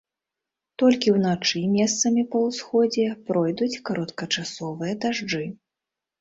Толькі ўначы месцамі па ўсходзе пройдуць кароткачасовыя дажджы.